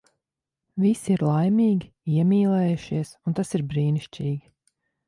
Visi ir laimīgi, iemīlējušies. Un tas ir brīnišķīgi.